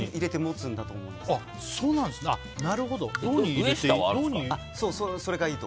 なるほど。